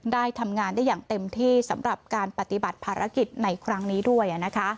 ได้ทำงานได้อย่างเต็มที่สำหรับการปฏิบัติภารกิจในครั้งนี้ด้วย